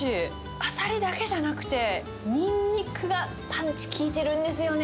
アサリだけじゃなくて、ニンニクがパンチ効いてるんですよね。